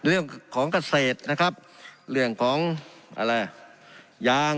เรื่องของเกษตรนะครับเรื่องของอะไรยาง